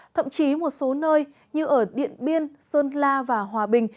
thậm chí một số nơi như ở điện biên sơn la và hòa bình